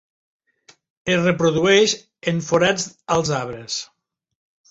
Es reprodueix en forats als arbres.